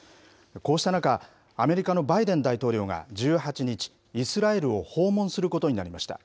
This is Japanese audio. こうした中、アメリカのバイデン大統領が１８日、イスラエルを訪問することになりました。